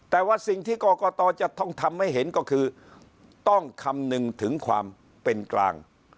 แต่ว่าสิ่งที่กรกตจะต้องทำให้เห็นก็คือต้องคำนึงถึงความเป็นกลาง